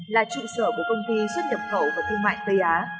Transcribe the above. là trụ sở của công ty xuất nhập khẩu và thương mại tây á